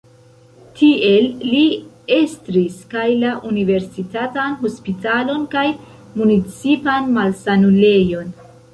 Tiel li estris kaj la universitatan hospitalon kaj municipan malsanulejon.